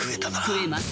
食えます。